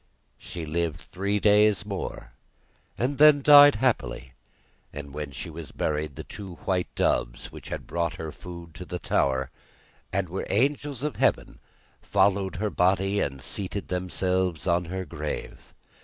She lived three days more, and then died happily, and when she was buried, the two white doves which had brought her food to the tower, and were angels of heaven, followed her body and seated themselves on her grave.